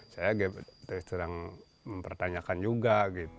saya terus terang mempertanyakan juga